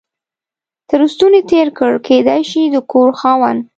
تر ستوني تېر کړ، کېدای شي د کور خاوند.